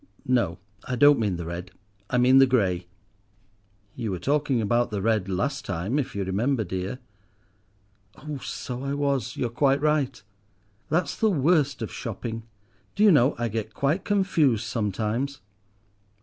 No, I don't mean the red, I mean the grey." "You were talking about the red last time, if you remember, dear." "Oh, so I was, you're quite right. That's the worst of shopping. Do you know I get quite confused sometimes."